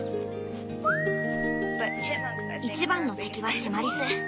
一番の敵はシマリス。